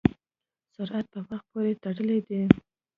سرعت په وخت پورې تړلی دی.